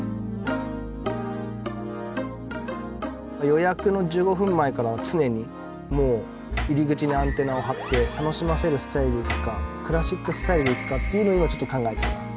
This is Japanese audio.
予約の１５分前から常に入り口にアンテナを張って楽しませるスタイルでいくかクラシックスタイルでいくかっていうのを今ちょっと考えてます